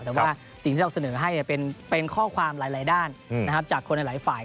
แต่ว่าสิ่งที่เราเสนอให้เป็นข้อความหลายด้านจากคนหลายฝ่าย